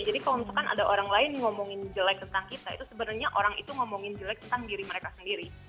jadi kalau misalkan ada orang lain ngomongin jelek tentang kita itu sebenarnya orang itu ngomongin jelek tentang diri kita sendiri